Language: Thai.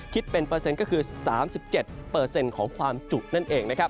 คิดเป็นเปอร์เซ็นต์ก็คือ๓๗ของความจุนั่นเองนะครับ